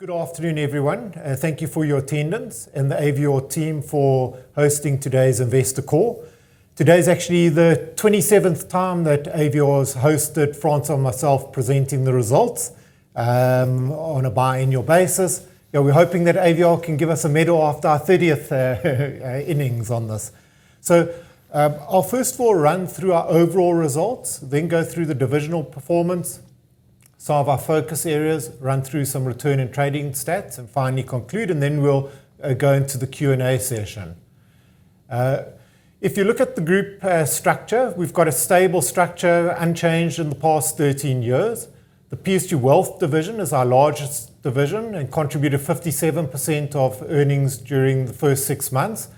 Good afternoon, everyone. Thank you for your attendance and the Avior team for hosting today's investor call. Today is actually the 27th time that Avior has hosted Frans or myself presenting the results, on a biannual basis. We're hoping that Avior can give us a medal after our 30th innings on this. I'll first of all run through our overall results, go through the divisional performance, some of our focus areas, run through some return and trading stats, and finally conclude. We'll go into the Q&A session. If you look at the group structure, we've got a stable structure, unchanged in the past 13 years. The PSG Wealth division is our largest division and contributed 57% of earnings during the first six months.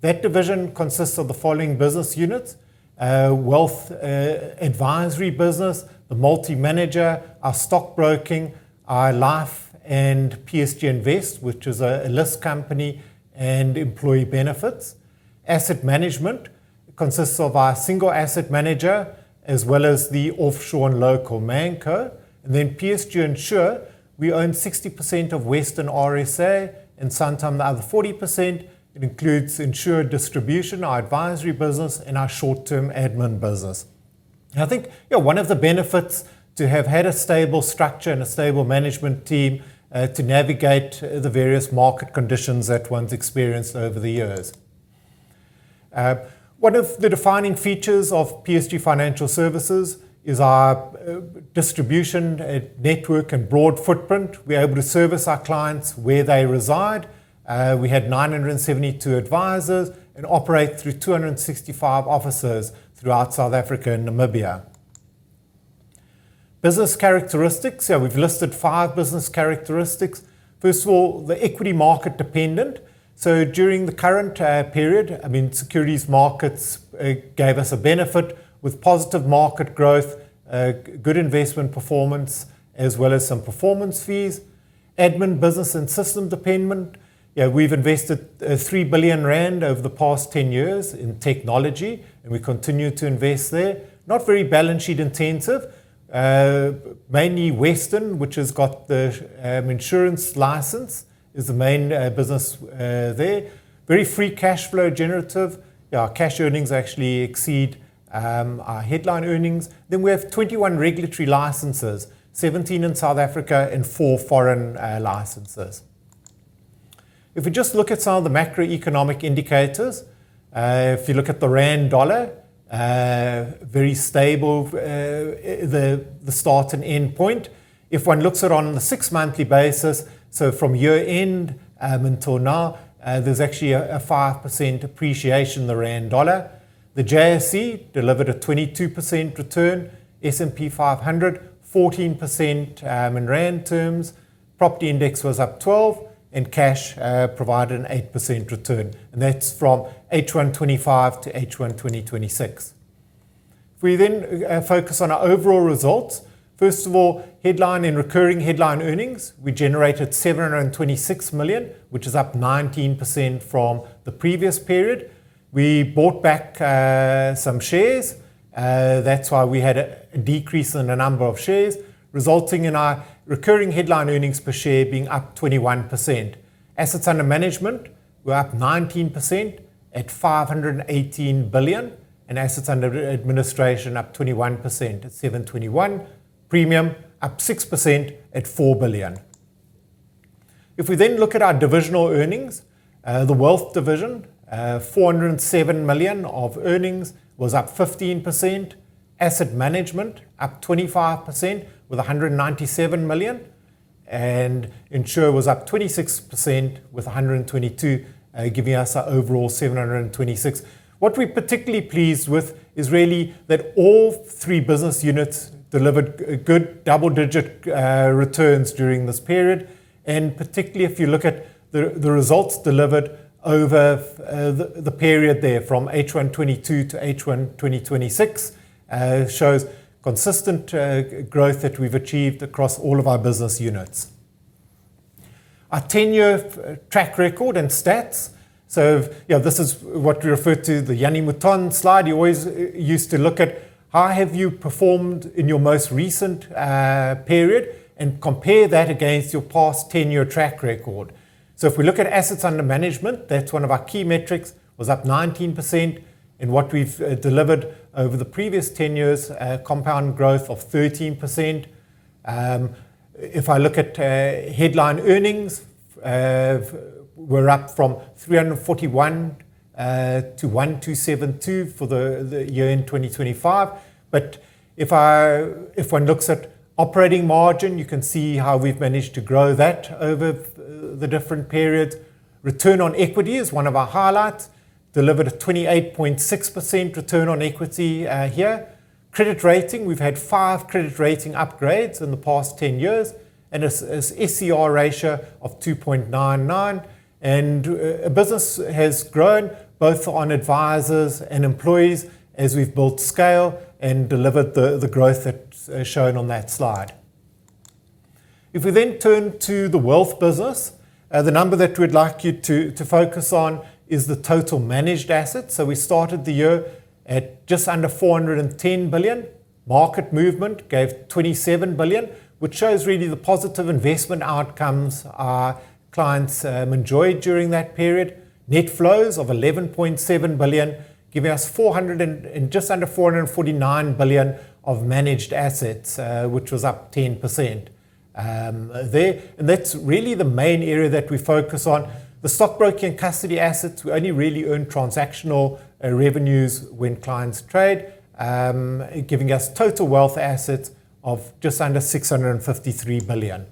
That division consists of the following business units: Wealth Advisory Business, the multi-manager, our stockbroking, our life and PSG Invest, which is a listed company, and employee benefits. Asset management consists of our single asset manager, as well as the offshore and local ManCo. PSG Insure, we own 60% of Western RSA, and Santam the other 40%. It includes Insure distribution, our advisory business, and our short-term admin business. I think one of the benefits to have had a stable structure and a stable management team to navigate the various market conditions that one's experienced over the years. One of the defining features of PSG Financial Services is our distribution network and broad footprint. We're able to service our clients where they reside. We had 972 advisors and operate through 265 offices throughout South Africa and Namibia. Business characteristics. We've listed five business characteristics. First of all, the equity market dependent. During the current period, securities markets gave us a benefit with positive market growth, good investment performance, as well as some performance fees. Admin, business, and system dependent. We've invested 3 billion rand over the past 10 years in technology, and we continue to invest there. Not very balance sheet intensive. Mainly Western, which has got the insurance license, is the main business there. Very free cash flow generative. Our cash earnings actually exceed our headline earnings. We have 21 regulatory licenses, 17 in South Africa and four foreign licenses. If we just look at some of the macroeconomic indicators. If you look at the rand/dollar, very stable, the start and end point. If one looks at on a six-monthly basis, so from year-end until now, there's actually a 5% appreciation in the rand/dollar. The JSE delivered a 22% return. S&P 500, 14% in Rand terms. Property index was up 12%, and cash provided an 8% return, and that's from H1 2025 to H1 2026. If we then focus on our overall results. First of all, headline and recurring headline earnings, we generated 726 million, which is up 19% from the previous period. We bought back some shares. That's why we had a decrease in the number of shares, resulting in our recurring headline earnings per share being up 21%. Assets under management were up 19% at 518 billion, and assets under administration up 21% at 721 billion. Premium up 6% at 4 billion. If we then look at our divisional earnings. The wealth division, 407 million of earnings, was up 15%. Asset management up 25% with 197 million. Insure was up 26% with 122 million, giving us our overall 726 million. What we're particularly pleased with is really that all three business units delivered good double-digit returns during this period. Particularly if you look at the results delivered over the period there from H1 2022 to H1 2026, shows consistent growth that we've achieved across all of our business units. Our 10-year track record and stats. This is what we refer to the Jannie Mouton slide. You always used to look at how have you performed in your most recent period and compare that against your past 10-year track record. If we look at assets under management, that's one of our key metrics, was up 19% in what we've delivered over the previous 10 years, a compound growth of 13%. If I look at headline earnings, we're up from 341 million-1,272 million for the year end 2025. If one looks at operating margin, you can see how we've managed to grow that over the different periods. Return on equity is one of our highlights. Delivered a 28.6% return on equity here. Credit rating, we've had five credit rating upgrades in the past 10 years, and an SCR ratio of 2.99. Business has grown, both on advisors and employees, as we've built scale and delivered the growth that's shown on that slide. If we turn to the wealth business. The number that we'd like you to focus on is the total managed assets. We started the year at just under 410 billion. Market movement gave 27 billion, which shows really the positive investment outcomes our clients enjoyed during that period. Net flows of 11.7 billion, giving us just under 449 billion of managed assets, which was up 10%. That's really the main area that we focus on. The stockbroking custody assets, we only really earn transactional revenues when clients trade, giving us total wealth assets of just under 653 billion.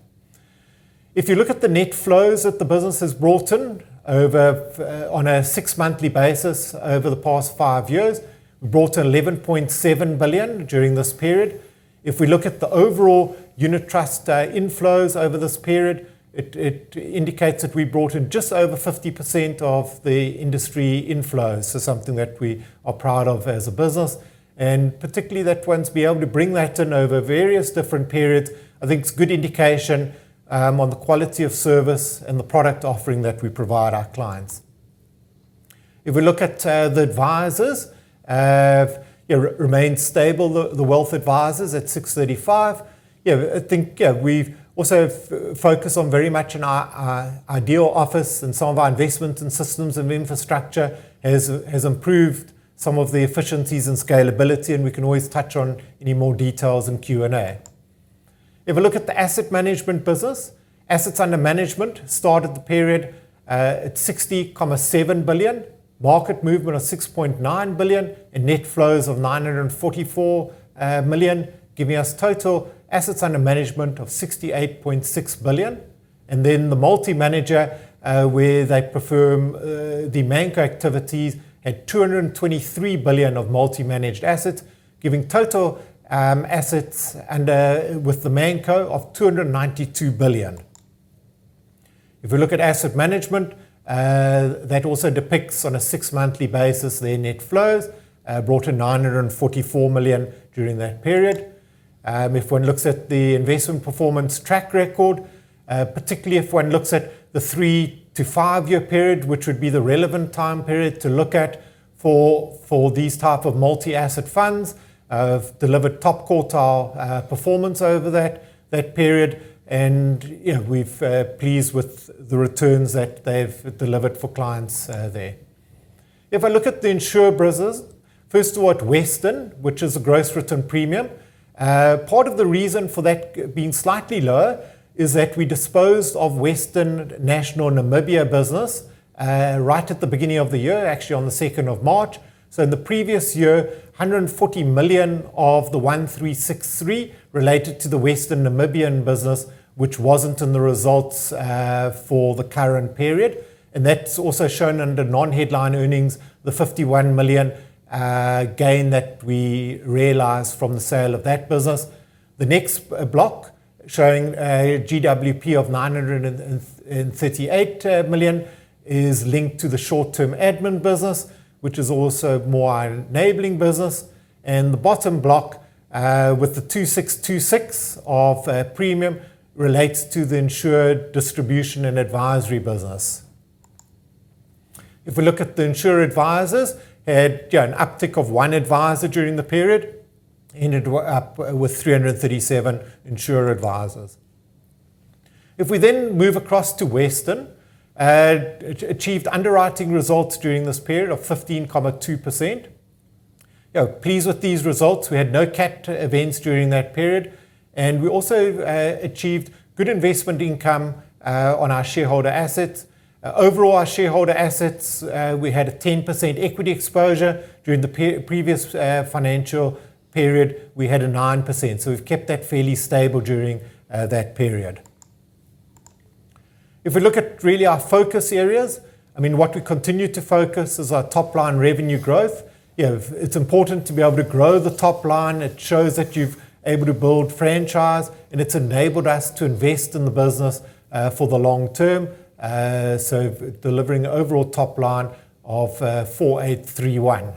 If you look at the net flows that the business has brought in on a six-monthly basis over the past five years, we've brought in 11.7 billion during this period. If we look at the overall unit trust inflows over this period, it indicates that we brought in just over 50% of the industry inflows. Something that we are proud of as a business, and particularly to be able to bring that in over various different periods, I think is a good indication of the quality of service and the product offering that we provide our clients. If we look at the advisers, remained stable, the wealth advisers at 635. I think we've also focused on very much on our ideal office, and some of our investment in systems and infrastructure has improved some of the efficiencies and scalability, and we can always touch on any more details in Q&A. If we look at the asset management business, assets under management started the period at 60.7 billion. Market movement of 6.9 billion and net flows of 944 million, giving us total assets under management of 68.6 billion. The multi-manager, where they perform the ManCo activities, had 223 billion of multi-managed assets, giving total assets with the ManCo of 292 billion. If we look at asset management, that also depicts on a six-monthly basis their net flows. Brought in 944 million during that period. If one looks at the investment performance track record, particularly if one looks at the three to five year period, which would be the relevant time period to look at for these type of multi-asset funds, have delivered top quartile performance over that period, and we're pleased with the returns that they've delivered for clients there. If I look at the insurer business, first of all at Western National Insurance, which is a gross written premium. Part of the reason for that being slightly lower is that we disposed of Western National Insurance Namibia business right at the beginning of the year. Actually, on the 2nd of March. In the previous year, 140 million of the 1,363 related to the Western National Insurance Namibia, which wasn't in the results for the current period. That's also shown under non-headline earnings, the 51 million gain that we realized from the sale of that business. The next block, showing a GWP of 938 million, is linked to the short-term admin business, which is also more enabling business. The bottom block, with the 2,626 of premium, relates to the insurer distribution and advisory business. If we look at the insurer advisers, had an uptick of one adviser during the period. Ended up with 337 insurer advisers. If we move across to Western National Insurance, achieved underwriting results during this period of 15.2%. Pleased with these results. We had no CAT events during that period, and we also achieved good investment income on our shareholder assets. Overall, our shareholder assets, we had a 10% equity exposure. During the previous financial period, we had a 9%. We've kept that fairly stable during that period. If we look at really our focus areas, what we continue to focus is our top-line revenue growth. It's important to be able to grow the top line. It shows that you're able to build franchise, and it's enabled us to invest in the business for the long term. Delivering overall top line of 4,831.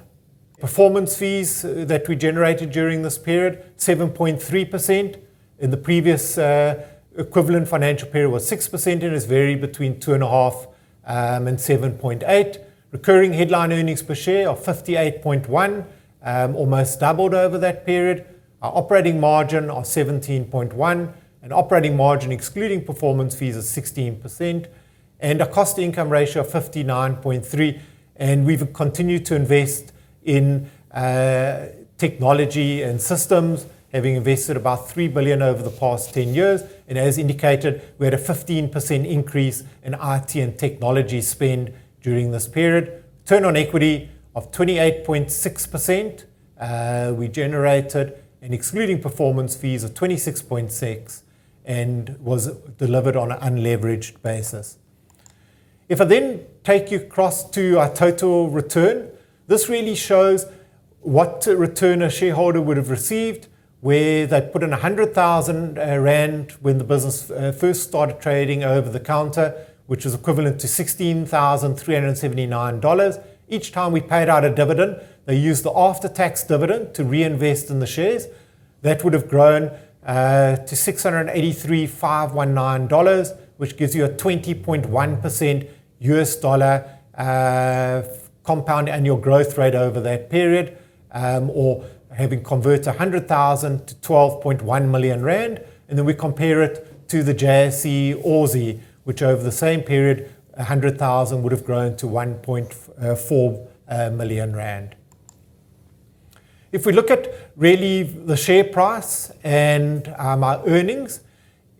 Performance fees that we generated during this period, 7.3%. In the previous equivalent financial period was 6%, and it's varied between 2.5% and 7.8%. Recurring headline earnings per share of 58.1, almost doubled over that period. Our operating margin of 17.1%. Operating margin excluding performance fees is 16%. A cost income ratio of 59.3%. We've continued to invest in technology and systems, having invested about 3 billion over the past 10 years. As indicated, we had a 15% increase in IT and technology spend during this period. Return on equity of 28.6%. We generated an excluding performance fees of 26.6%, and was delivered on an unleveraged basis. If I take you across to our total return, this really shows what return a shareholder would have received, where they put in 100,000 rand when the business first started trading over the counter, which is equivalent to $16,379. Each time we paid out a dividend, they used the after-tax dividend to reinvest in the shares. That would've grown to $683,519, which gives you a 20.1% U.S. dollar compound annual growth rate over that period, or having convert 100,000 to 12.1 million rand. We compare it to the JSE ALSI, which over the same period, 100,000 would've grown to 1.4 million rand. If we look at really the share price and our earnings,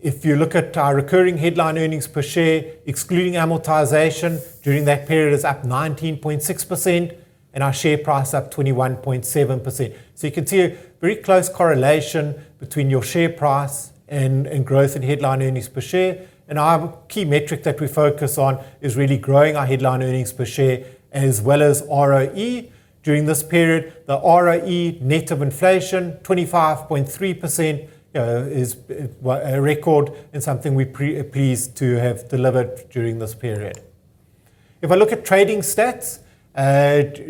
if you look at our recurring headline earnings per share, excluding amortization, during that period is up 19.6%, and our share price up 21.7%. You can see a very close correlation between your share price and growth in headline earnings per share. Our key metric that we focus on is really growing our headline earnings per share as well as ROE. During this period, the ROE net of inflation, 25.3%, is a record and something we're pleased to have delivered during this period. If I look at trading stats,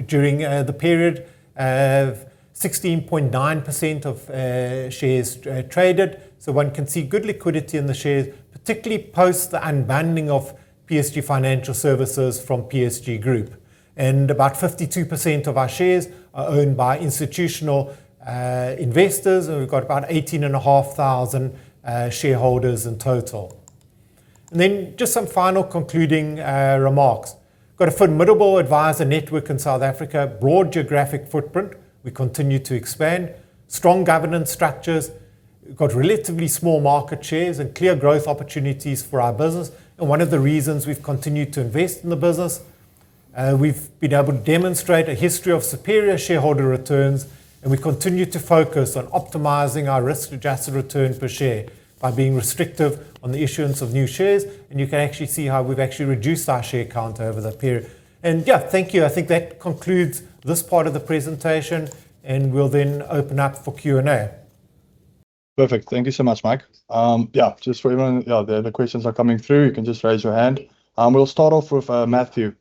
during the period of 16.9% of shares traded, so one can see good liquidity in the shares, particularly post the unbundling of PSG Financial Services from PSG Group. About 52% of our shares are owned by institutional investors, and we've got about 18,500 shareholders in total. Just some final concluding remarks. Got a formidable advisor network in South Africa, broad geographic footprint. We continue to expand. Strong governance structures. We've got relatively small market shares and clear growth opportunities for our business, and one of the reasons we've continued to invest in the business. We've been able to demonstrate a history of superior shareholder returns, and we continue to focus on optimizing our risk-adjusted returns per share by being restrictive on the issuance of new shares, and you can actually see how we've actually reduced our share count over that period. Yeah, thank you. I think that concludes this part of the presentation, and we'll then open up for Q&A. Perfect. Thank you so much, Mike. Yeah, the questions are coming through. You can just raise your hand. We'll start off with Matthew.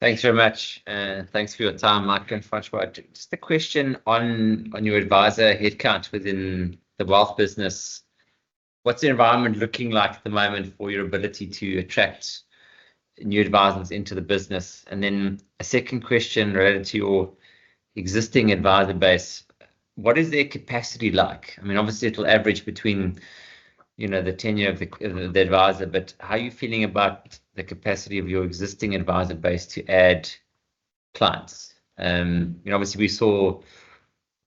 Thanks very much, and thanks for your time, Mike and Francois. Just a question on your advisor headcount within the Wealth business. What's the environment looking like at the moment for your ability to attract new advisors into the business? A second question related to your existing advisor base. What is their capacity like? Obviously, it'll average between the tenure of the advisor, but how are you feeling about the capacity of your existing advisor base to add clients? Obviously, we saw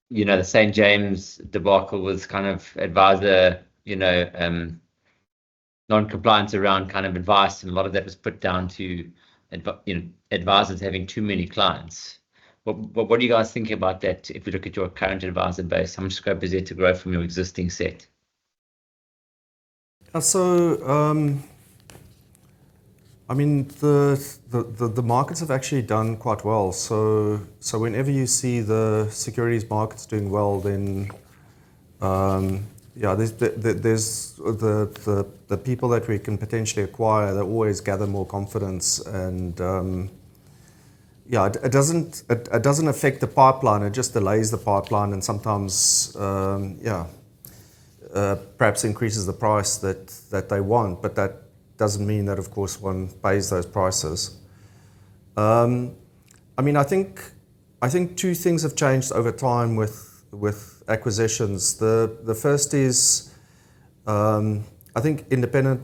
the St. James's Place debacle was kind of advisor non-compliance around kind of advice, and a lot of that was put down to advisors having too many clients. What are you guys thinking about that if you look at your current advisor base? How much capacity to grow from your existing set? Whenever you see the securities markets doing well, then the people that we can potentially acquire, they always gather more confidence. Yeah, it doesn't affect the pipeline. It just delays the pipeline and sometimes perhaps increases the price that they want. That doesn't mean that, of course, one pays those prices. I think two things have changed over time with acquisitions. The first is, I think independent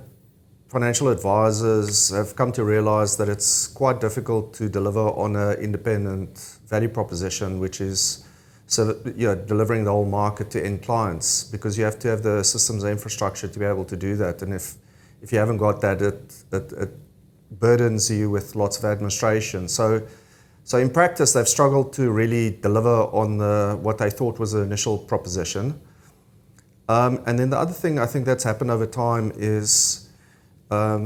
financial advisors have come to realize that it's quite difficult to deliver on a independent value proposition, which is delivering the whole market to end clients, because you have to have the systems and infrastructure to be able to do that. If you haven't got that, it burdens you with lots of administration. In practice, they've struggled to really deliver on what they thought was the initial proposition. The other thing I think that's happened over time is part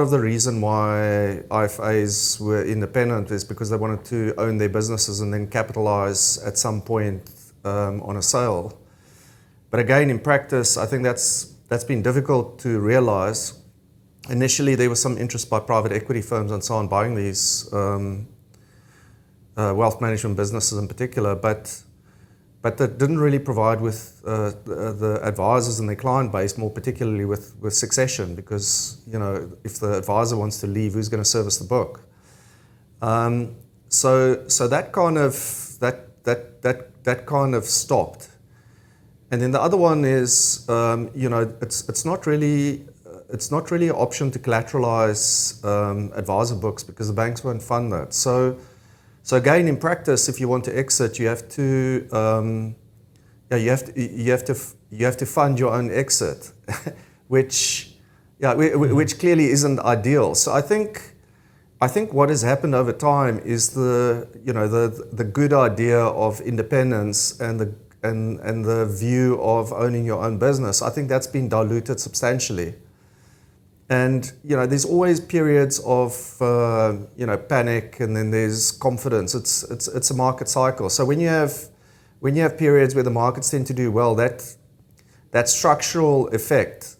of the reason why IFAs were independent is because they wanted to own their businesses and then capitalize at some point, on a sale. Again, in practice, I think that's been difficult to realize. Initially, there was some interest by private equity firms and so on buying these wealth management businesses in particular, but that didn't really provide with the advisors and their client base, more particularly with succession. Because if the advisor wants to leave, who's going to service the book? That kind of stopped. The other one is it's not really an option to collateralize advisor books because the banks won't fund that. Again, in practice, if you want to exit, you have to fund your own exit, which clearly isn't ideal. I think what has happened over time is the good idea of independence and the view of owning your own business, I think that's been diluted substantially. There's always periods of panic and then there's confidence. It's a market cycle. When you have periods where the markets tend to do well, that structural effect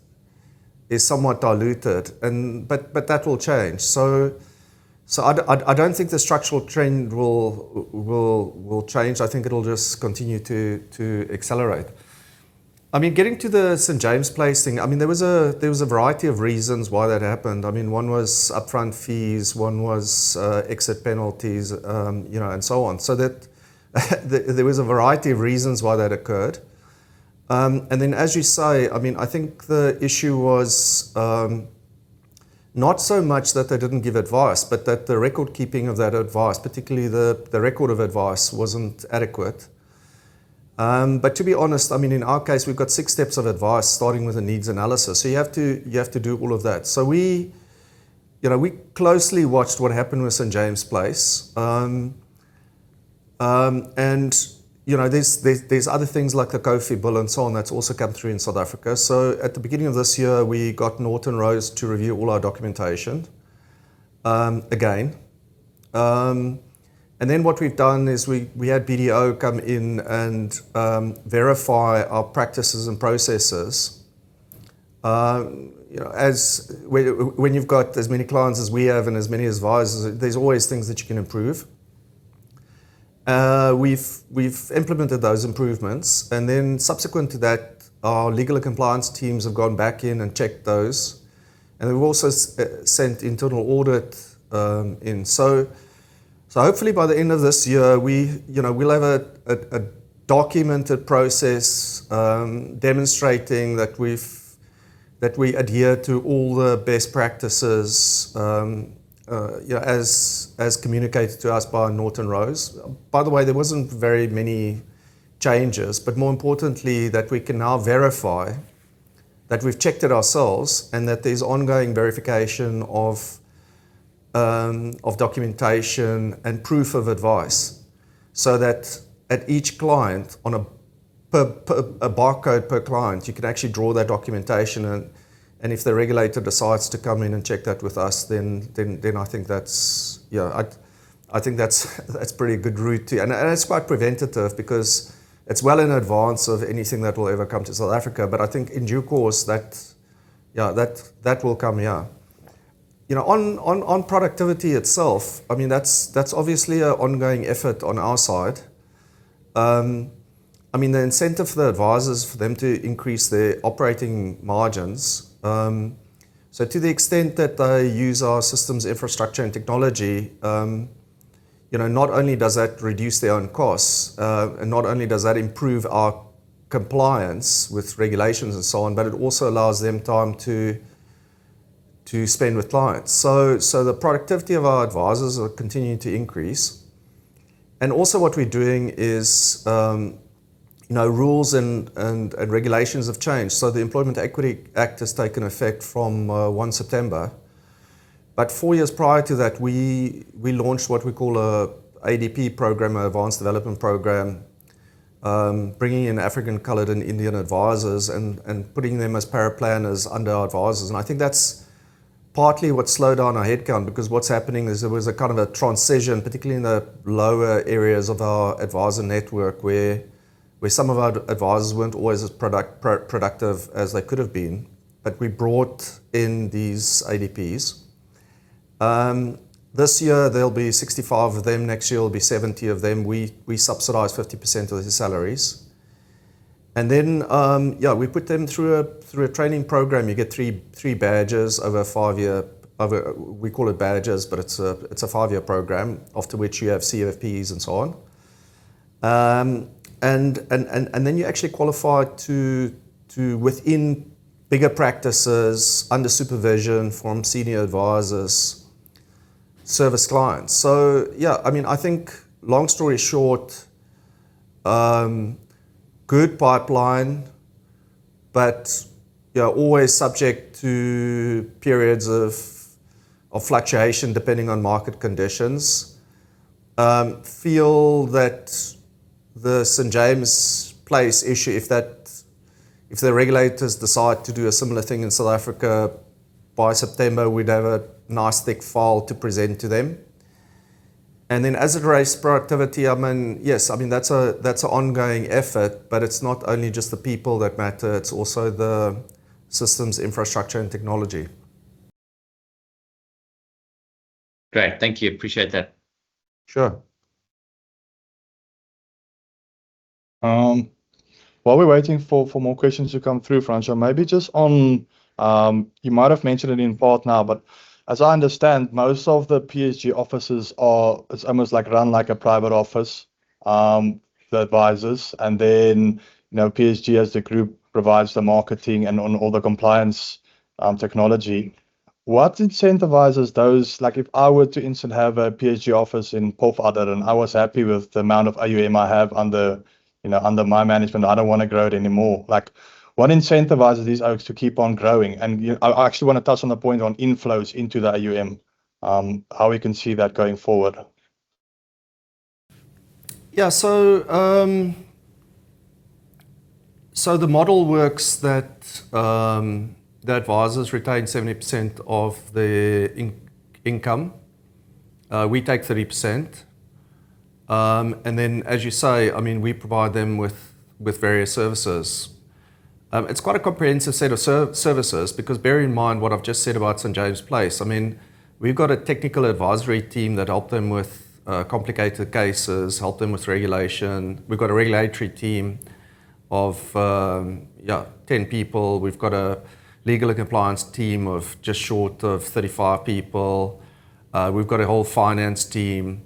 is somewhat diluted, that will change. I don't think the structural trend will change. I think it'll just continue to accelerate. Getting to the St. James's Place thing, there was a variety of reasons why that happened. One was upfront fees, one was exit penalties, and so on. There was a variety of reasons why that occurred. As you say, I think the issue was not so much that they didn't give advice, but that the record-keeping of that advice, particularly the record of advice, wasn't adequate. To be honest, in our case, we've got six steps of advice starting with a needs analysis. You have to do all of that. We closely watched what happened with St. James's Place. There's other things like the COFI Bill and so on that's also come through in South Africa. At the beginning of this year, we got Norton Rose to review all our documentation, again. Then what we've done is we had BDO come in and verify our practices and processes. When you've got as many clients as we have and as many advisors, there's always things that you can improve. We've implemented those improvements, then subsequent to that, our legal and compliance teams have gone back in and checked those, and we've also sent internal audit in. Hopefully by the end of this year, we'll have a documented process demonstrating that we adhere to all the best practices as communicated to us by Norton Rose. By the way, there wasn't very many changes, but more importantly, that we can now verify that we've checked it ourselves and that there's ongoing verification of documentation and proof of advice. That at each client, on a barcode per client, you can actually draw that documentation, and if the regulator decides to come in and check that with us, then I think that's a pretty good route to It's quite preventative because it's well in advance of anything that will ever come to South Africa, but I think in due course, that will come here. On productivity itself, that's obviously an ongoing effort on our side. The incentive for the advisors for them to increase their operating margins, so to the extent that they use our systems, infrastructure, and technology, not only does that reduce their own costs, and not only does that improve our compliance with regulations and so on, but it also allows them time to spend with clients. The productivity of our advisors are continuing to increase. Also what we're doing is, rules and regulations have changed, so the Employment Equity Act has taken effect from 1 September. Four years prior to that, we launched what we call a ADP program, an Advanced Development Program, bringing in African, Coloured and Indian advisors and putting them as paraplanners under our advisors. I think that's partly what slowed down our headcount, because what's happening is there was a kind of a transition, particularly in the lower areas of our advisor network, where some of our advisors weren't always as productive as they could've been. We brought in these ADPs. This year, there'll be 65 of them. Next year, it'll be 70 of them. We subsidize 50% of the salaries. Then, we put them through a training program. You get three badges over a five year We call it badges, but it's a five-year program, after which you have CFPs and so on. Then you actually qualify to, within bigger practices, under supervision from senior advisors, service clients. I think long story short, good pipeline, but you're always subject to periods of fluctuation depending on market conditions. Feel that the St. James's Place issue, if the regulators decide to do a similar thing in South Africa, by September, we'd have a nice thick file to present to them. As it relates to productivity, yes, that's an ongoing effort, but it's not only just the people that matter, it's also the systems, infrastructure, and technology. Great. Thank you. Appreciate that. Sure. While we're waiting for more questions to come through, Francois, maybe just on, you might have mentioned it in part now, but as I understand, most of the PSG offices are, it's almost run like a private office, the advisors. Then, PSG as the group provides the marketing and on all the compliance technology. What incentivizes those? If I were to instantly have a PSG office in Port Elizabeth, and I was happy with the amount of AUM I have under my management, I don't want to grow it anymore. What incentivizes these folks to keep on growing? I actually want to touch on the point on inflows into the AUM, how we can see that going forward. Yeah. The model works that the advisors retain 70% of their income. We take 30%. Then, as you say, we provide them with various services. It's quite a comprehensive set of services, because bear in mind what I've just said about St. James's Place. We've got a technical advisory team that help them with complicated cases, help them with regulation. We've got a regulatory team of 10 people. We've got a legal and compliance team of just short of 35 people. We've got a whole finance team.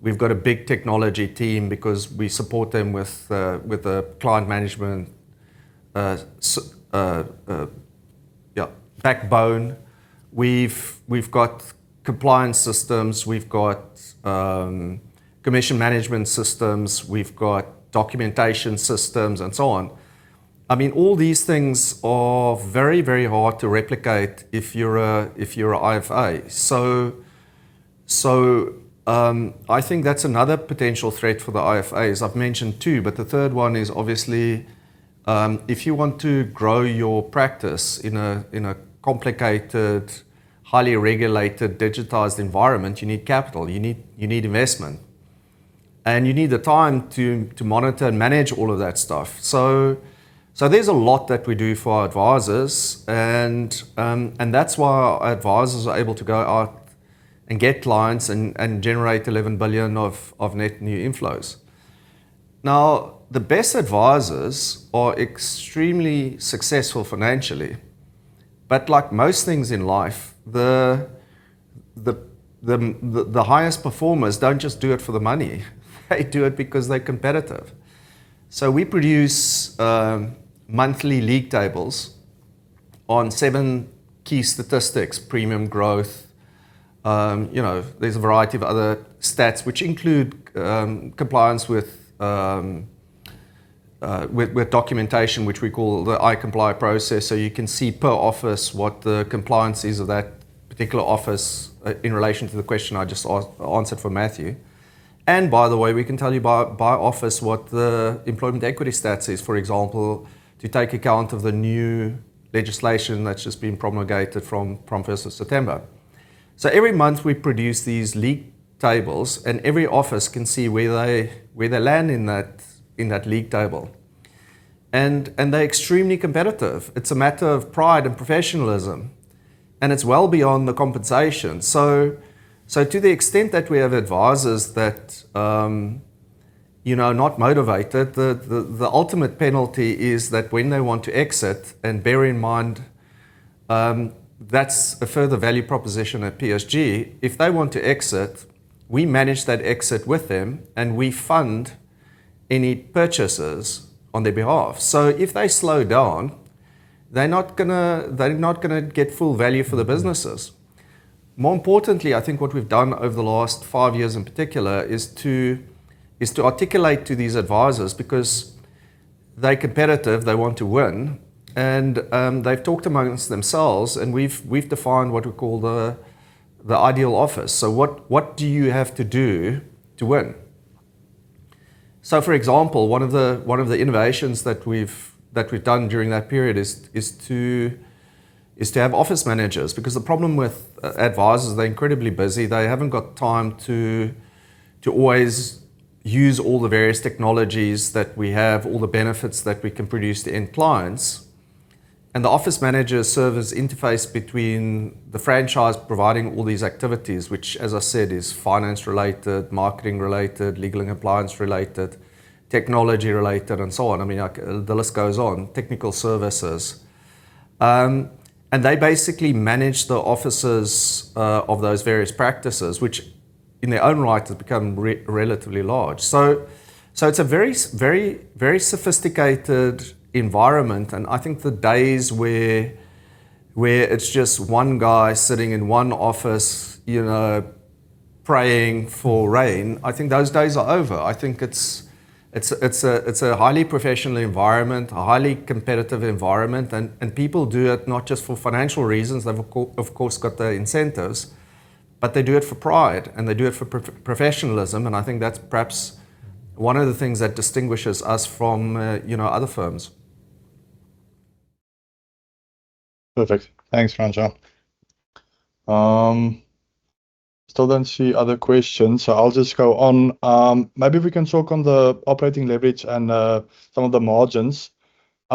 We've got a big technology team because we support them with a client management backbone. We've got compliance systems. We've got commission management systems. We've got documentation systems and so on. All these things are very, very hard to replicate if you're an IFA. I think that's another potential threat for the IFAs. I've mentioned two, but the third one is obviously, if you want to grow your practice in a complicated, highly regulated, digitized environment, you need capital, you need investment. You need the time to monitor and manage all of that stuff. There's a lot that we do for our advisors, and that's why our advisors are able to go out and get clients and generate 11 billion of net new inflows. Now, the best advisors are extremely successful financially. Like most things in life, the highest performers don't just do it for the money. They do it because they're competitive. We produce monthly league tables on seven key statistics, premium growth. There's a variety of other stats which include compliance with documentation, which we call the iComply process. You can see per office what the compliance is of that particular office in relation to the question I just answered for Matthew. By the way, we can tell you by office what the Employment Equity stats is, for example, to take account of the new legislation that's just been promulgated from 1st of September. Every month, we produce these league tables, and every office can see where they land in that league table. They're extremely competitive. It's a matter of pride and professionalism, and it's well beyond the compensation. To the extent that we have advisors that are not motivated, the ultimate penalty is that when they want to exit, and bear in mind, that's a further value proposition at PSG. If they want to exit, we manage that exit with them, and we fund any purchasers on their behalf. If they slow down, they're not going to get full value for their businesses. More importantly, I think what we've done over the last five years in particular is to articulate to these advisors because they're competitive, they want to win. They've talked amongst themselves and we've defined what we call the ideal office. What do you have to do to win? For example, one of the innovations that we've done during that period is to have office managers, because the problem with advisors is they're incredibly busy. They haven't got time to always use all the various technologies that we have, all the benefits that we can produce to end clients. The office managers serve as interface between the franchise providing all these activities, which as I said, is finance-related, marketing-related, legal and compliance-related, technology-related, and so on. The list goes on. Technical services. They basically manage the offices of those various practices, which in their own right has become relatively large. It's a very sophisticated environment. I think the days where it's just one guy sitting in one office praying for rain, I think those days are over. I think it's a highly professional environment, a highly competitive environment. People do it not just for financial reasons. They've of course got their incentives, but they do it for pride, and they do it for professionalism. I think that's perhaps one of the things that distinguishes us from other firms. Perfect. Thanks, Francois. Still don't see other questions, I'll just go on. Maybe we can talk on the operating leverage and some of the margins.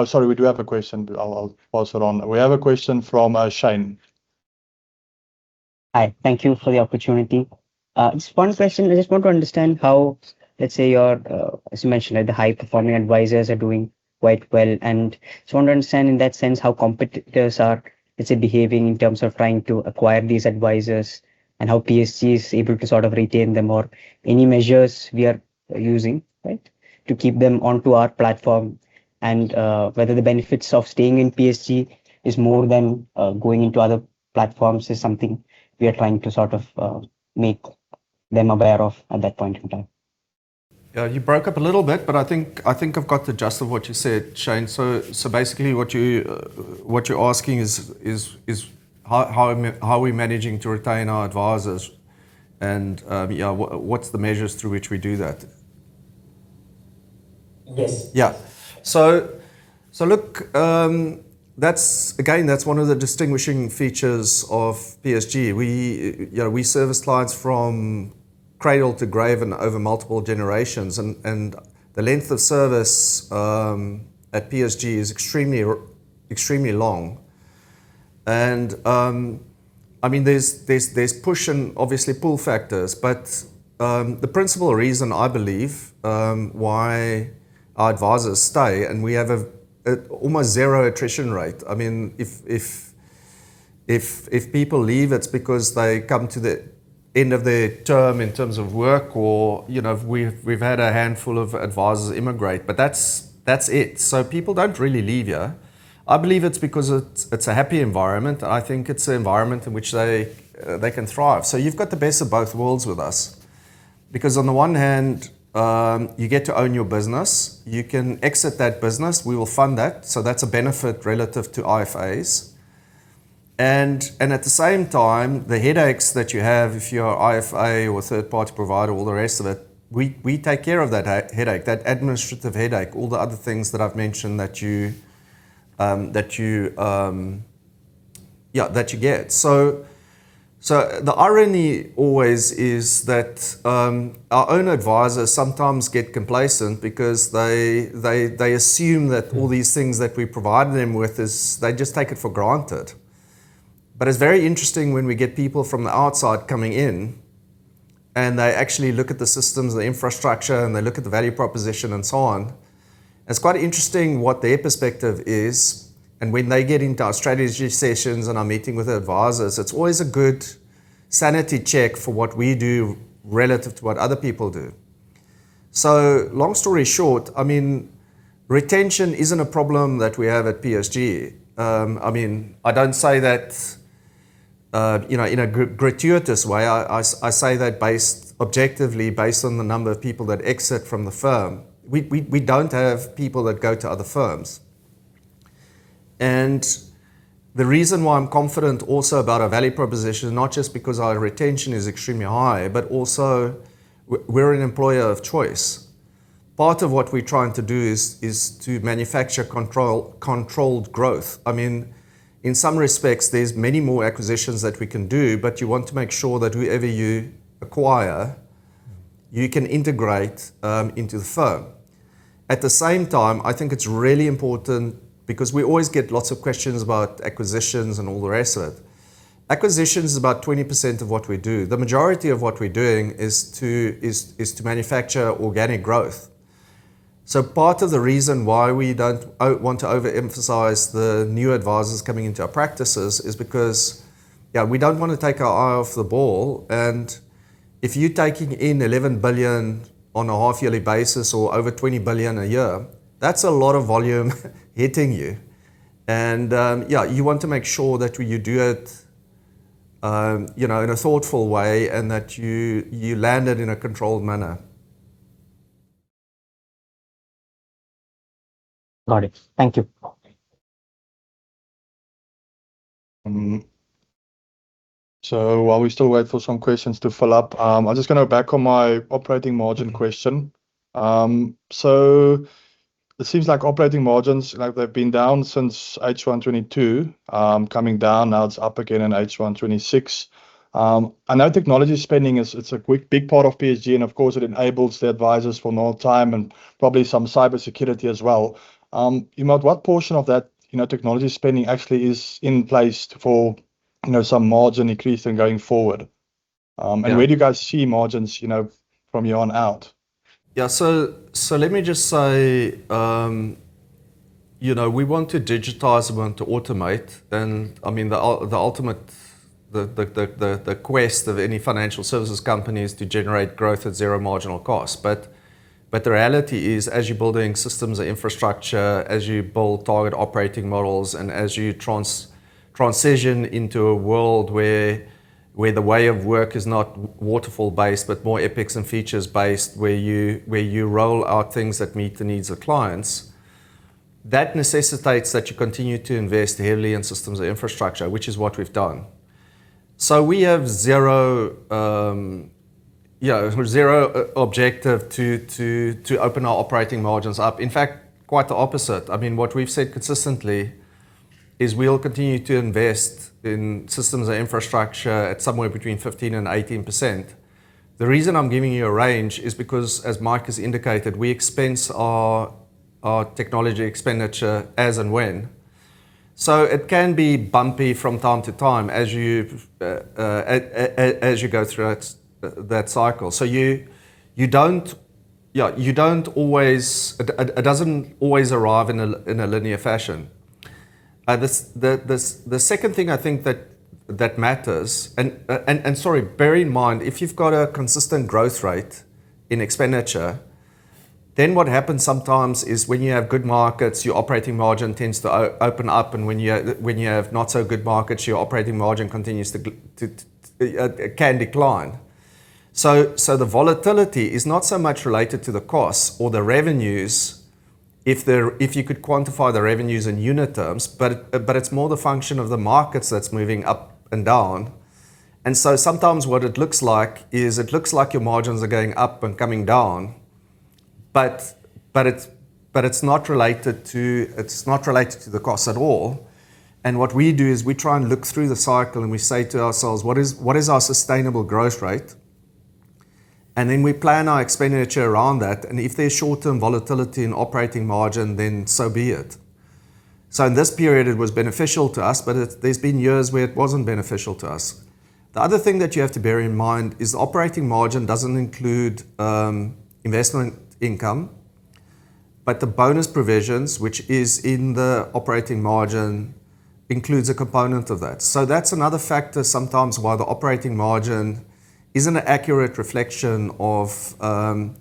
Sorry, we do have a question. I'll pause it on. We have a question from Shane. Hi. Thank you for the opportunity. Just one question. I just want to understand how, as you mentioned, the high-performing advisors are doing quite well. I just want to understand in that sense, how competitors are behaving in terms of trying to acquire these advisors and how PSG is able to retain them or any measures we are using to keep them onto our platform and whether the benefits of staying in PSG is more than going into other platforms is something we are trying to make them aware of at that point in time. Yeah, you broke up a little bit, but I think I've got the gist of what you said, Shane. Basically what you're asking is how are we managing to retain our advisors and what's the measures through which we do that? Yes Yeah. Look, again, that's one of the distinguishing features of PSG. We service clients from cradle to grave and over multiple generations. The length of service at PSG is extremely long. There's push and obviously pull factors. The principal reason I believe why our advisors stay, and we have almost zero attrition rate. If people leave, it's because they come to the end of their term in terms of work or we've had a handful of advisors immigrate, but that's it. People don't really leave here. I believe it's because it's a happy environment. I think it's an environment in which they can thrive. You've got the best of both worlds with us. Because on the one hand, you get to own your business. You can exit that business. We will fund that. That's a benefit relative to IFAs. At the same time, the headaches that you have, if you're IFA or third-party provider, all the rest of it, we take care of that headache, that administrative headache, all the other things that I've mentioned that you get. The irony always is that our own advisors sometimes get complacent because they assume that all these things that we provide them with, they just take it for granted. It's very interesting when we get people from the outside coming in, and they actually look at the systems, the infrastructure, and they look at the value proposition. It's quite interesting what their perspective is. When they get into our strategy sessions and are meeting with our advisors, it's always a good sanity check for what we do relative to what other people do. Long story short, retention isn't a problem that we have at PSG. I don't say that in a gratuitous way. I say that objectively based on the number of people that exit from the firm. We don't have people that go to other firms. The reason why I'm confident also about our value proposition is not just because our retention is extremely high, but also we're an employer of choice. Part of what we're trying to do is to manufacture controlled growth. In some respects, there's many more acquisitions that we can do, but you want to make sure that whoever you acquire, you can integrate into the firm. At the same time, I think it's really important because we always get lots of questions about acquisitions and all the rest of it. Acquisitions is about 20% of what we do. The majority of what we're doing is to manufacture organic growth. Part of the reason why we don't want to overemphasize the new advisors coming into our practices is because we don't want to take our eye off the ball. If you're taking in 11 billion on a half yearly basis or over 20 billion a year, that's a lot of volume hitting you. You want to make sure that you do it in a thoughtful way and that you land it in a controlled manner. Got it. Thank you. While we still wait for some questions to follow up, I'm just going to back on my operating margin question. It seems like operating margins, they've been down since H1 2022, coming down now it's up again in H1 2026. I know technology spending it's a big part of PSG, and of course, it enables the advisors from an old time and probably some cybersecurity as well. what portion of that technology spending actually is in place for some margin increase in going forward? Yeah. Where do you guys see margins from here on out? Yeah. Let me just say, we want to digitize, we want to automate. The ultimate quest of any financial services company is to generate growth at zero marginal cost. The reality is, as you're building systems and infrastructure, as you build target operating models, as you transition into a world where the way of work is not waterfall-based, but more epics and features-based, where you roll out things that meet the needs of clients, that necessitates that you continue to invest heavily in systems and infrastructure, which is what we've done. We have zero objective to open our operating margins up. In fact, quite the opposite. What we've said consistently is we'll continue to invest in systems and infrastructure at somewhere between 15%-18%. The reason I'm giving you a range is because, as Mike has indicated, we expense our technology expenditure as and when. It can be bumpy from time to time as you go throughout that cycle. It doesn't always arrive in a linear fashion. The second thing I think that matters and, sorry, bear in mind, if you've got a consistent growth rate in expenditure, then what happens sometimes is when you have good markets, your operating margin tends to open up. When you have not so good markets, your operating margin can decline. The volatility is not so much related to the costs or the revenues. If you could quantify the revenues in unit terms, it's more the function of the markets that's moving up and down. Sometimes what it looks like is, it looks like your margins are going up and coming down, but it's not related to the cost at all. What we do is we try and look through the cycle and we say to ourselves: What is our sustainable growth rate? Then we plan our expenditure around that. If there's short-term volatility in operating margin, then so be it. In this period, it was beneficial to us, but there's been years where it wasn't beneficial to us. The other thing that you have to bear in mind is operating margin doesn't include investment income, but the bonus provisions, which is in the operating margin, includes a component of that. That's another factor sometimes why the operating margin is an accurate reflection of the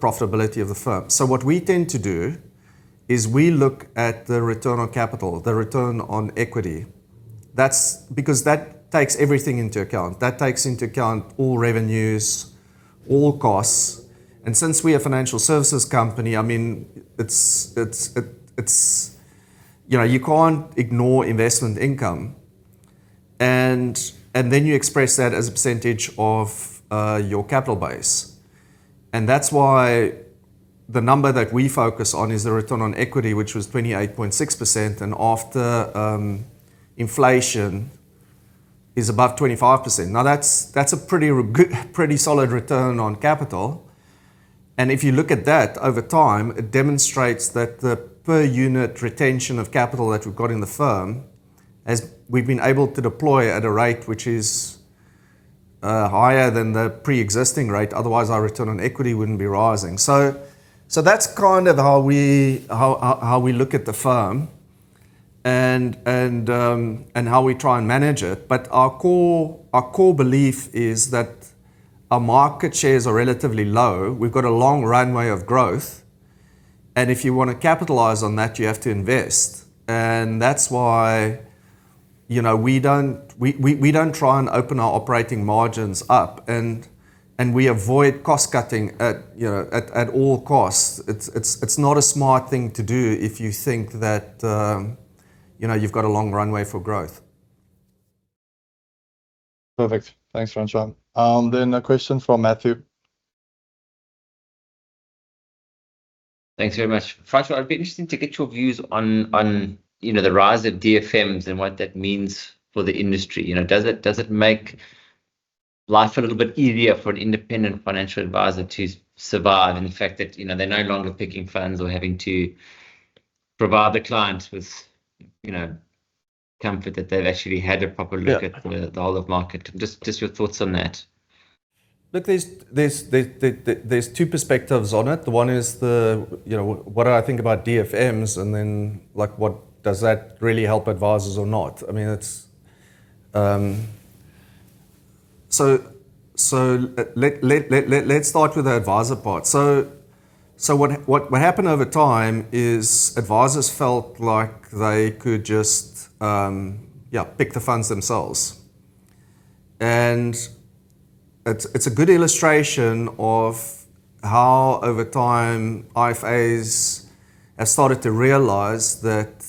profitability of the firm. What we tend to do is we look at the return on capital, the return on equity. That takes everything into account. That takes into account all revenues, all costs. Since we're a financial services company, you can't ignore investment income. You express that as a percentage of your capital base. That's why the number that we focus on is the return on equity, which was 28.6%, and after inflation is above 25%. That's a pretty solid return on capital. If you look at that over time, it demonstrates that the per unit retention of capital that we've got in the firm, as we've been able to deploy at a rate which is higher than the preexisting rate, otherwise our return on equity wouldn't be rising. That's kind of how we look at the firm and how we try and manage it. Our core belief is that our market shares are relatively low. We've got a long runway of growth. If you want to capitalize on that, you have to invest. That's why we don't try and open our operating margins up, and we avoid cost-cutting at all costs. It's not a smart thing to do if you think that you've got a long runway for growth. Perfect. Thanks, Francois. And a question from Matthew Thanks very much. Francois, I'd be interested to get your views on the rise of DFMs and what that means for the industry. Does it make life a little bit easier for an independent financial advisor to survive, and the fact that they're no longer picking funds or having to provide the clients with comfort that they've actually had a proper look at. Yeah The whole of market? Just your thoughts on that. Look, there's two perspectives on it. One is what I think about DFMs. Does that really help advisors or not? Let's start with the advisor part. What happened over time is advisors felt like they could just pick the funds themselves. It's a good illustration of how, over time, IFAs have started to realize that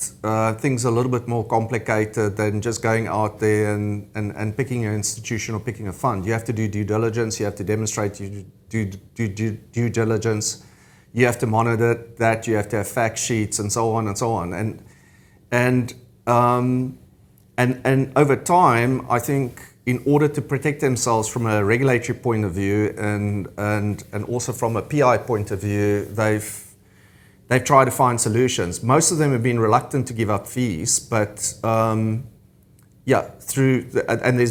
things are a little bit more complicated than just going out there and picking an institution or picking a fund. You have to do due diligence. You have to demonstrate your due diligence. You have to monitor that. You have to have fact sheets and so on and so on. Over time, I think, in order to protect themselves from a regulatory point of view and also from a PI point of view, they've tried to find solutions. Most of them have been reluctant to give up fees. There's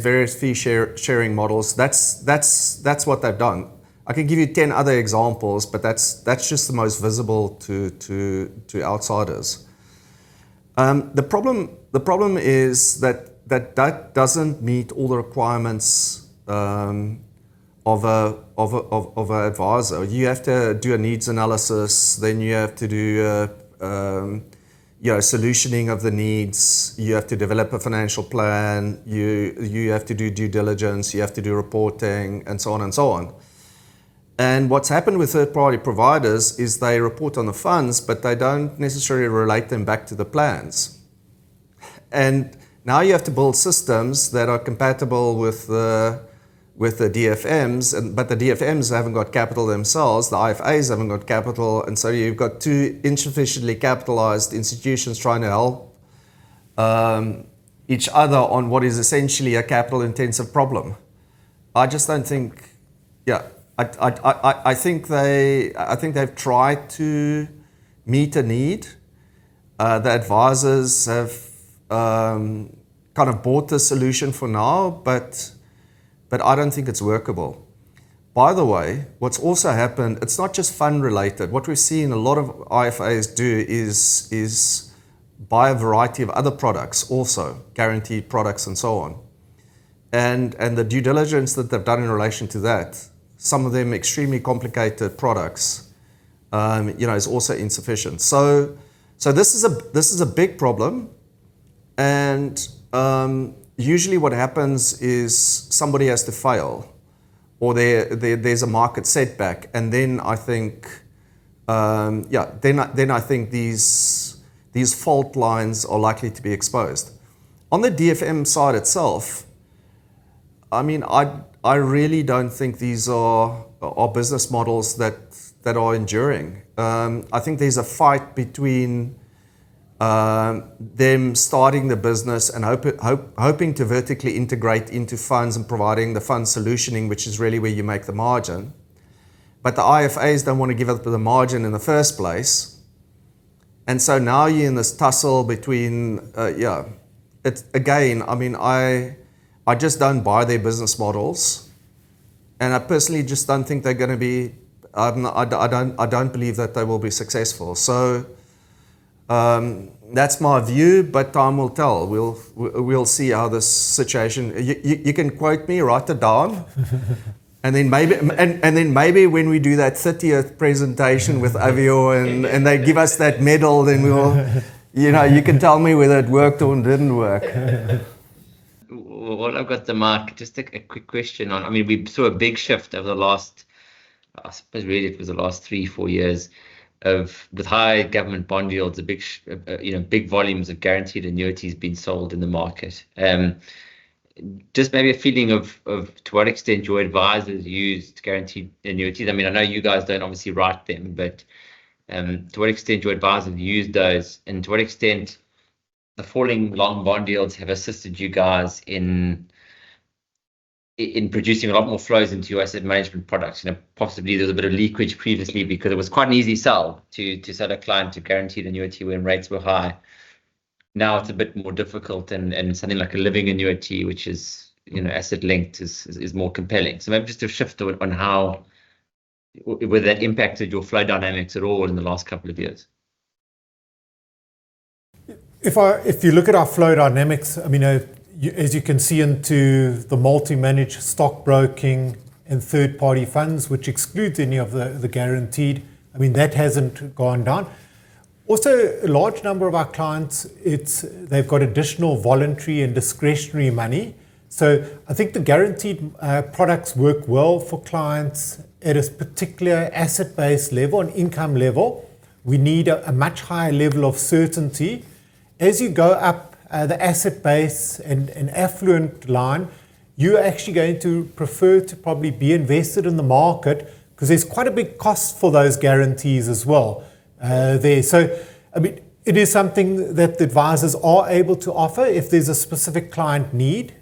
various fee-sharing models. That's what they've done. I can give you 10 other examples, but that's just the most visible to outsiders. The problem is that that doesn't meet all the requirements of an advisor. You have to do a needs analysis. You have to do a solutioning of the needs. You have to develop a financial plan. You have to do due diligence. You have to do reporting, and so on and so on. What's happened with third-party providers is they report on the funds, but they don't necessarily relate them back to the plans. Now you have to build systems that are compatible with the DFMs, but the DFMs haven't got capital themselves. The IFAs haven't got capital. You've got two insufficiently capitalized institutions trying to help each other on what is essentially a capital-intensive problem. I think they've tried to meet a need. The advisors have kind of bought the solution for now, but I don't think it's workable. By the way, what's also happened, it's not just fund related. What we're seeing a lot of IFAs do is buy a variety of other products also, guaranteed products and so on. The due diligence that they've done in relation to that, some of them extremely complicated products, is also insufficient. This is a big problem, and usually what happens is somebody has to fail. Or there's a market setback. Then I think these fault lines are likely to be exposed. On the DFM side itself, I really don't think these are business models that are enduring. I think there's a fight between them starting the business and hoping to vertically integrate into funds and providing the fund solutioning, which is really where you make the margin. The IFAs don't want to give up the margin in the first place, now you're in this tussle. Again, I just don't buy their business models, and I personally just don't believe that they will be successful. That's my view, but time will tell. We'll see how this situation You can quote me. Write it down. Maybe when we do that 30th presentation with Avior, and they give us that medal, then you can tell me whether it worked or it didn't work. While I've got the mic, just a quick question on We saw a big shift over the last, I suppose really it was the last three, four years, of the high government bond yields, big volumes of guaranteed annuities being sold in the market. Just maybe a feeling of to what extent your advisors used guaranteed annuities. I know you guys don't obviously write them, but to what extent do advisors use those, and to what extent the falling long bond yields have assisted you guys in producing a lot more flows into your asset management products? Possibly there was a bit of leakage previously because it was quite an easy sell to sell a client a guaranteed annuity when rates were high. Now it's a bit more difficult, and something like a living annuity, which is asset-linked, is more compelling. Maybe just a shift on how, whether that impacted your flow dynamics at all in the last couple of years. If you look at our flow dynamics, as you can see into the multi-manager stockbroking and third-party funds, which excludes any of the guaranteed, that hasn't gone down. Also, a large number of our clients, they've got additional voluntary and discretionary money. I think the guaranteed products work well for clients at a particular asset base level and income level. We need a much higher level of certainty. As you go up the asset base and affluent line, you're actually going to prefer to probably be invested in the market because there's quite a big cost for those guarantees as well there. It is something that the advisors are able to offer if there's a specific client need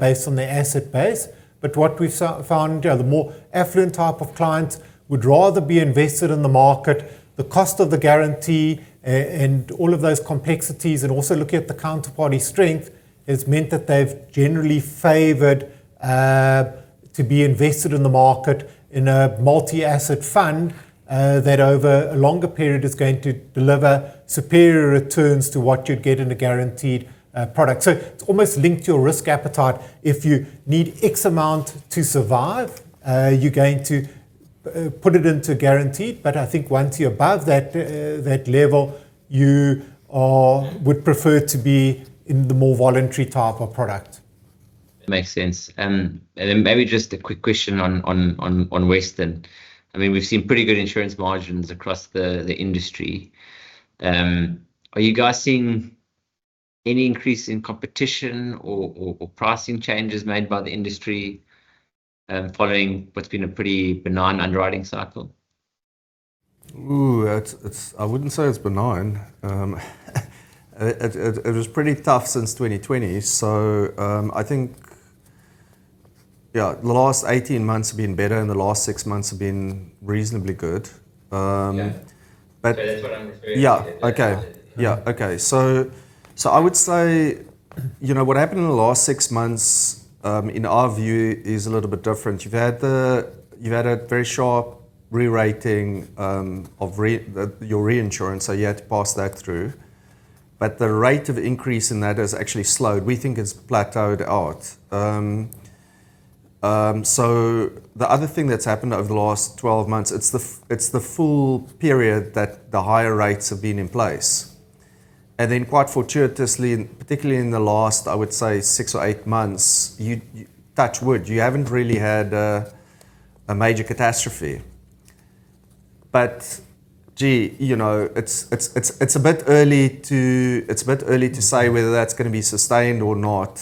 based on their asset base. What we've found, the more affluent type of client would rather be invested in the market. The cost of the guarantee, and all of those complexities, and also looking at the counterparty strength, has meant that they've generally favored to be invested in the market in a multi-asset fund that, over a longer period, is going to deliver superior returns to what you'd get in a guaranteed product. It's almost linked to your risk appetite. If you need X amount to survive, you're going to put it into guaranteed. I think once you're above that level, you would prefer to be in the more voluntary type of product. Makes sense. Maybe just a quick question on Western National Insurance. We've seen pretty good insurance margins across the industry. Are you guys seeing any increase in competition or pricing changes made by the industry following what's been a pretty benign underwriting cycle? I wouldn't say it's benign. It was pretty tough since 2020. I think the last 18 months have been better, and the last six months have been reasonably good. Yeah. That's what I'm referring to. Okay. I would say what happened in the last six months, in our view, is a little bit different. You've had a very sharp re-rating of your reinsurance, so you had to pass that through. The rate of increase in that has actually slowed. We think it's plateaued out. The other thing that's happened over the last 12 months, it's the full period that the higher rates have been in place. Then quite fortuitously, particularly in the last, I would say, six or eight months, touch wood, you haven't really had a major catastrophe. Gee, it's a bit early to say whether that's going to be sustained or not.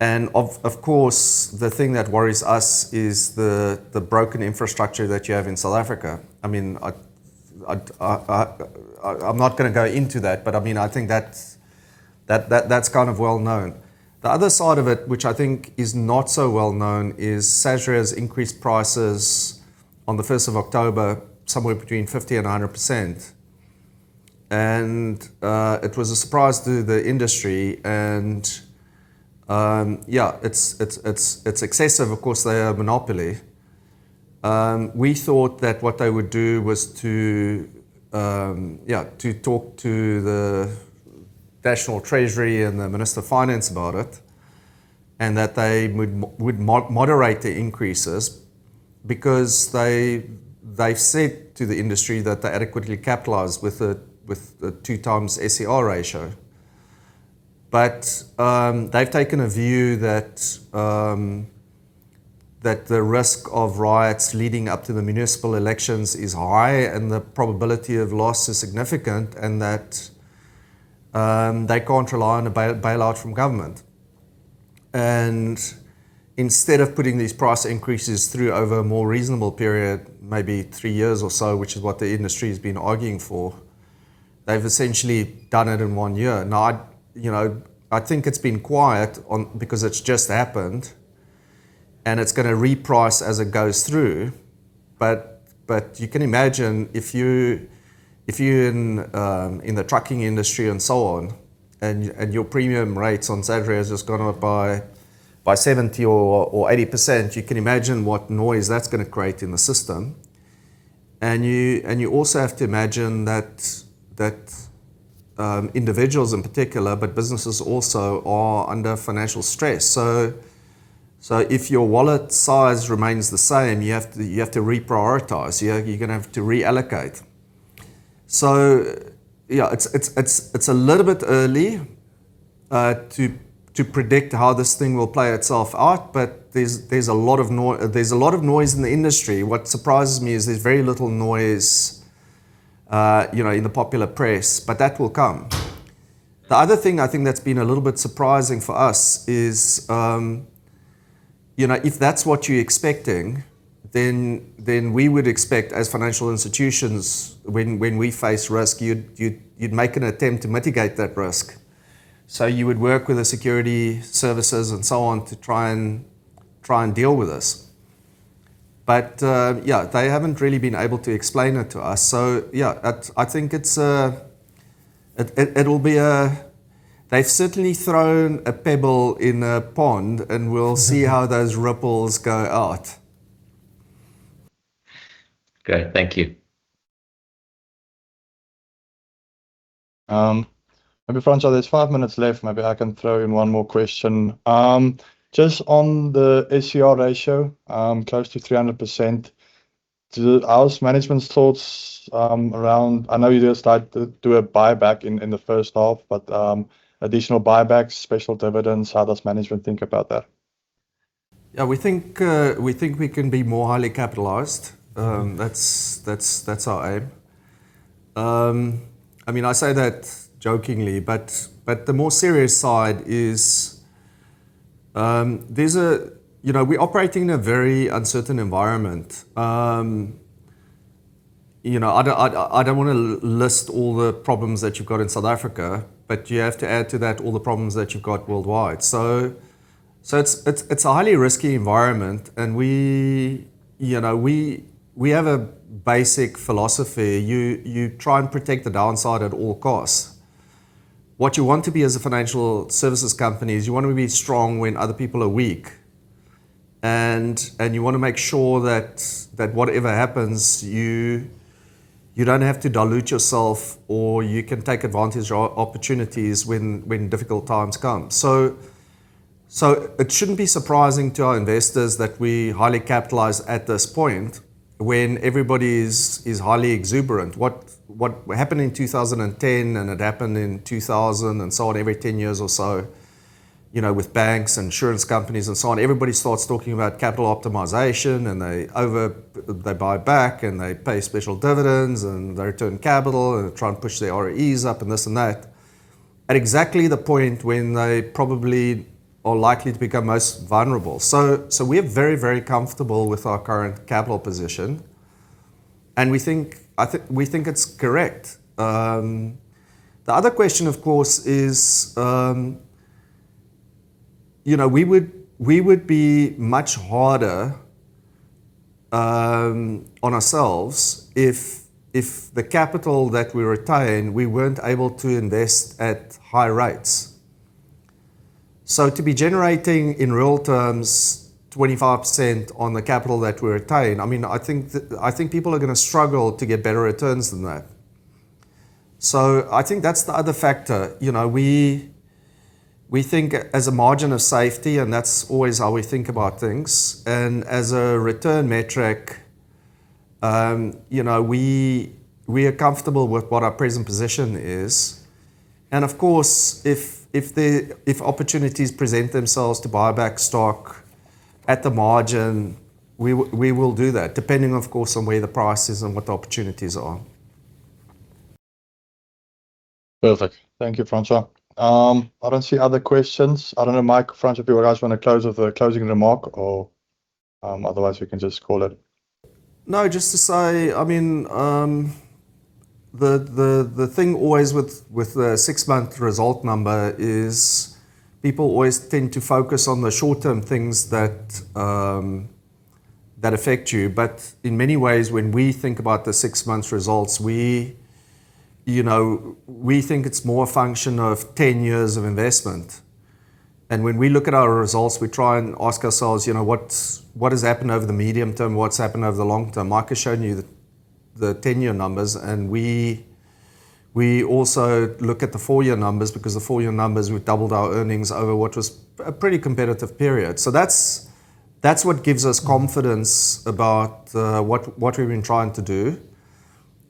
Of course, the thing that worries us is the broken infrastructure that you have in South Africa. I'm not going to go into that, but I think that's kind of well known. The other side of it, which I think is not so well known, is Sasria's increased prices on the 1st of October somewhere between 50% and 100%. It was a surprise to the industry. Yeah, it's excessive. Of course, they are a monopoly. We thought that what they would do was to talk to the National Treasury and the Minister of Finance about it, that they would moderate the increases because they've said to the industry that they're adequately capitalized with a 2x SCR ratio. They've taken a view that the risk of riots leading up to the municipal elections is high, the probability of loss is significant, and that they can't rely on a bailout from government. Instead of putting these price increases through over a more reasonable period, maybe three years or so, which is what the industry has been arguing for, they've essentially done it in one year. I think it's been quiet because it's just happened, it's going to reprice as it goes through. You can imagine if you're in the trucking industry and so on, your premium rates on Sasria has just gone up by 70% or 80%, you can imagine what noise that's going to create in the system. You also have to imagine that individuals in particular, but businesses also, are under financial stress. If your wallet size remains the same, you have to reprioritize. You're going to have to reallocate. Yeah, it's a little bit early to predict how this thing will play itself out, there's a lot of noise in the industry. What surprises me is there's very little noise in the popular press, that will come. The other thing I think that's been a little bit surprising for us is, if that's what you're expecting, we would expect as financial institutions, when we face risk, you'd make an attempt to mitigate that risk. You would work with the security services and so on to try and deal with this. Yeah, they haven't really been able to explain it to us. Yeah, I think they've certainly thrown a pebble in a pond, we'll see how those ripples go out. Okay. Thank you. Maybe, Francois, there's five minutes left. Maybe I can throw in one more question. Just on the SCR ratio, close to 300%, how's management's thoughts around I know you just started to do a buyback in the first half, but additional buybacks, special dividends, how does management think about that? Yeah, we think we can be more highly capitalized. That's our aim. I say that jokingly, but the more serious side is, we operate in a very uncertain environment. I don't want to list all the problems that you've got in South Africa, but you have to add to that all the problems that you've got worldwide. It's a highly risky environment, we have a basic philosophy. You try and protect the downside at all costs. What you want to be as a financial services company is you want to be strong when other people are weak, you want to make sure that whatever happens, you don't have to dilute yourself, or you can take advantage of opportunities when difficult times come. It shouldn't be surprising to our investors that we highly capitalize at this point when everybody's highly exuberant. What happened in 2010, it happened in 2000, and so on, every 10 years or so, with banks, insurance companies, and so on, everybody starts talking about capital optimization, they buy back, they pay special dividends, they return capital, they try to push their ROEs up, and this and that, at exactly the point when they probably are likely to become most vulnerable. We're very, very comfortable with our current capital position, we think it's correct. The other question, of course, is we would be much harder on ourselves if the capital that we retain, we weren't able to invest at high rates. To be generating, in real terms, 25% on the capital that we retain, I think people are going to struggle to get better returns than that. I think that's the other factor. We think as a margin of safety, that's always how we think about things, and as a return metric, we are comfortable with what our present position is. Of course, if opportunities present themselves to buy back stock at the margin, we will do that, depending, of course, on where the price is and what the opportunities are. Perfect. Thank you, Francois. I don't see other questions. I don't know, Mike, Francois, if you guys want to close with a closing remark or, otherwise we can just call it. Just to say, the thing always with the six month result number is people always tend to focus on the short-term things that affect you. In many ways, when we think about the six months results, we think it's more a function of 10 years of investment. When we look at our results, we try and ask ourselves, what has happened over the medium term? What's happened over the long term? Mike has shown you the 10-year numbers. We also look at the four year numbers because the four year numbers, we've doubled our earnings over what was a pretty competitive period. That's what gives us confidence about what we've been trying to do,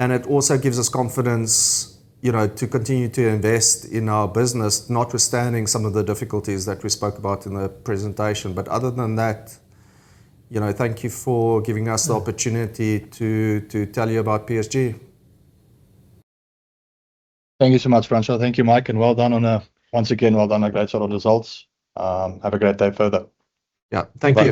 and it also gives us confidence to continue to invest in our business, notwithstanding some of the difficulties that we spoke about in the presentation. Other than that, thank you for giving us the opportunity to tell you about PSG. Thank you so much, Francois. Thank you, Mike, and well done once again, well done. A great set of results. Have a great day further. Yeah. Thank you.